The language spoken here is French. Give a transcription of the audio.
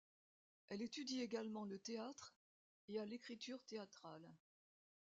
Elle étudie également le théâtre et à l'écriture théâtrale.